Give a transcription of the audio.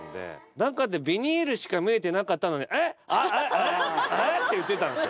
中でビニールしか見えてなかったのに「えっ？あっえっ！？」って言ってたんですよ